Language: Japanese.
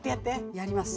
やります。